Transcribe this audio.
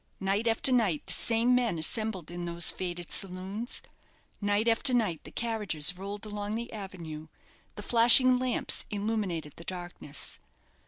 Night after night the same men assembled in those faded saloons; night after night the carriages rolled along the avenue the flashing lamps illuminated the darkness.